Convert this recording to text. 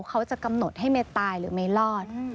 เขาจะกำหนดให้เมย์ตายหรือเมย์รอด